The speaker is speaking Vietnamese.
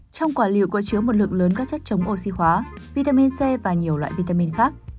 trong quả liệu có chứa một lượng lớn các chất chống oxy hóa vitamin c và nhiều loại vitamin khác